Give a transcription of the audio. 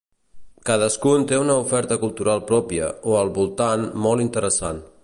Cadascun té una oferta cultural pròpia o al voltant molt interessant.